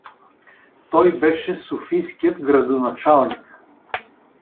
Той беше софийският градоначалник.